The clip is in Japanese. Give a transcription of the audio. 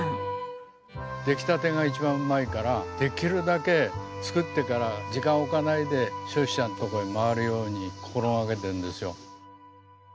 出来たてが一番うまいからできるだけ作ってから時間を置かないで消費者のところに回るように心掛けてるんですよ。